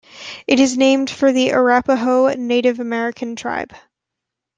It is named for the Arapaho Native American tribe.